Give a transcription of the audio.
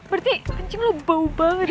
berarti kencing lu bau banget ya